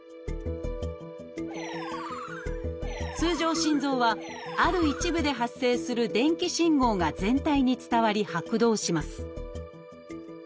通常心臓はある一部で発生する電気信号が全体に伝わり拍動します